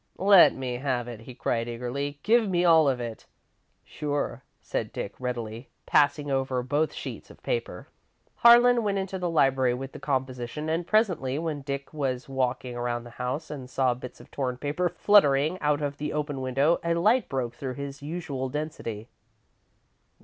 "Let me have it," he cried, eagerly. "Give me all of it!" "Sure," said Dick, readily, passing over both sheets of paper. Harlan went into the library with the composition, and presently, when Dick was walking around the house and saw bits of torn paper fluttering out of the open window, a light broke through his usual density.